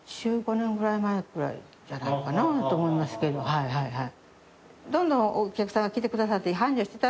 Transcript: はいはいはい。